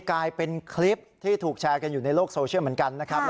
กลายเป็นคลิปที่ถูกแชร์กันอยู่ในโลกโซเชียลเหมือนกันนะครับ